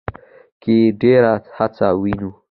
کې ډېره هڅه وينو